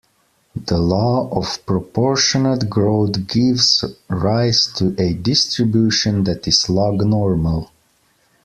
The law of proportionate growth gives rise to a distribution that is log-normal.